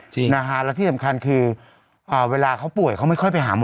จริงนะฮะและที่สำคัญคือเวลาเขาป่วยเขาไม่ค่อยไปหาหมอ